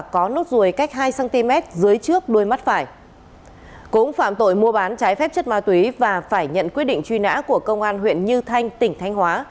cũng phạm tội mua bán trái phép chất ma túy và phải nhận quyết định truy nã của công an huyện như thanh tỉnh thanh hóa